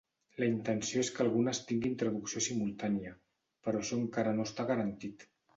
La intenció és que algunes tinguin traducció simultània, però això encara no està garantit.